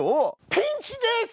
ピンチです！